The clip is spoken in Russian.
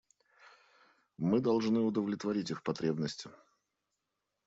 Мы должны удовлетворить их потребности.